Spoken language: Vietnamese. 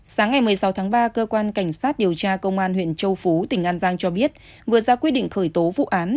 sáng ngày một mươi sáu tháng ba cơ quan cảnh sát điều tra công an huyện châu phú tỉnh an giang cho biết vừa ra quyết định khởi tố vụ án